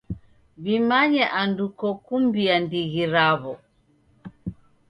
W'imanye andu kokumbia ndighi raw'o.